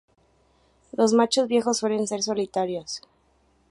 Los machos viejos suelen ser solitarios.